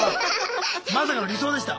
まさかの理想でした。